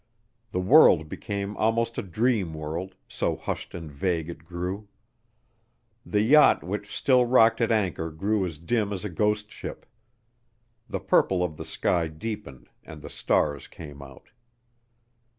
The world became almost a dream world, so hushed and vague it grew. The yacht which still rocked at anchor grew as dim as a ghost ship. The purple of the sky deepened and the stars came out.